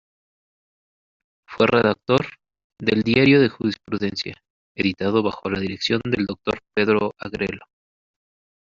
Fue redactor del "Diario de Jurisprudencia", editado bajo la dirección del doctor Pedro Agrelo.